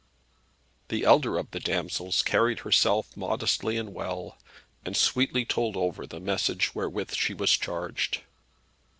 The elder of the damsels carried herself modestly and well, and sweetly told over the message wherewith she was charged.